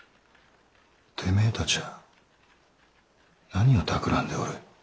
手前たちは何をたくらんでおる？